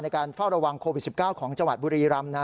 การเฝ้าระวังโควิด๑๙ของจังหวัดบุรีรำนะ